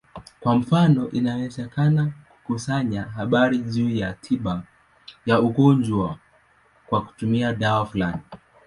Kwa mfano, inawezekana kukusanya habari juu ya tiba ya ugonjwa kwa kutumia dawa fulani.